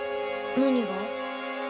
何が？